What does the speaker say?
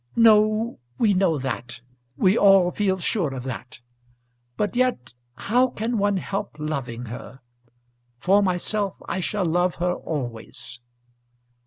"No; we know that; we all feel sure of that. But yet how can one help loving her? For myself, I shall love her always."